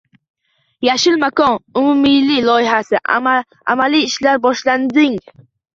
“Yashil makon” umummilliy loyihasi: amaliy ishlar boshlanding